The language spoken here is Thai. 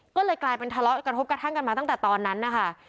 ก็เลยกลายเป็นทะเลาะกระทบกระทั่งกันมาตั้งแต่ตอนนั้นนะคะ